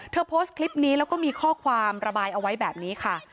โพสต์คลิปนี้แล้วก็มีข้อความระบายเอาไว้แบบนี้ค่ะ